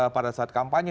pada saat kampanye